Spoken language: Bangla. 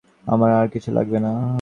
আমার আর কিছু লাগবে না।